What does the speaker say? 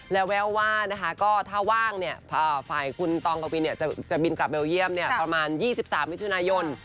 แล้วแววว่าก็ถ้าว่างเนี่ยฝ่ายคุณต้องกับวีนจะบินกลับเบลเดียมประมาณ๒๓มิถุนายน